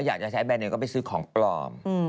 อยากจะใช้แบรนเนลก็ไปซื้อของปลอม